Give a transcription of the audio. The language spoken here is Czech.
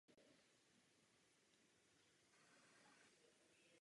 Od mládí se věnoval zemědělství.